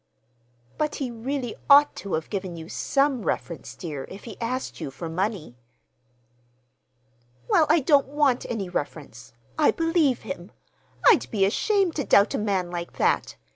"But he really ought to have given you some reference, dear, if he asked you for money." "Well, I don't want any reference. I believe him. I'd be ashamed to doubt a man like that!